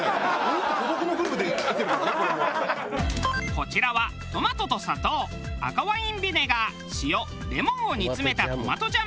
こちらはトマトと砂糖赤ワインビネガー塩レモンを煮詰めたトマトジャム。